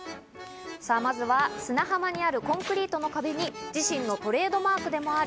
まずは砂浜にあるコンクリートの壁に自身のトレードマークでもある